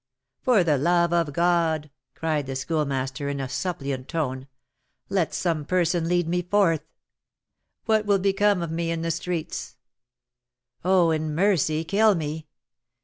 "For the love of God," cried the Schoolmaster, in a suppliant tone, "let some person lead me forth! What will become of me in the streets? Oh, in mercy kill me!